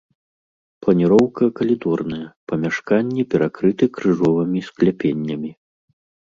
Планіроўка калідорная, памяшканні перакрыты крыжовымі скляпеннямі.